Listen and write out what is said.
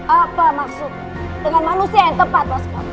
apa maksud dengan manusia yang tepat mas